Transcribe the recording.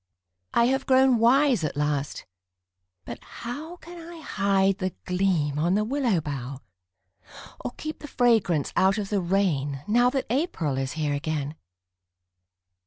I have grown wise at last but how Can I hide the gleam on the willow bough, Or keep the fragrance out of the rain Now that April is here again?